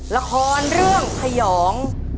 ละครเรื่องขยอง